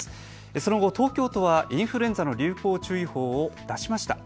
その後東京都はインフルエンザの流行注意報を出しました。